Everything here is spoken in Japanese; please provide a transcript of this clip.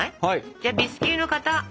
じゃあビスキュイの型！